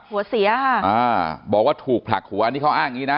หัวเสียบอกว่าถูกผลักหัวอันนี้เขาอ้างงี้นะ